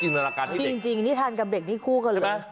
จริงนิทานกับเด็กนี้คู่กันเลย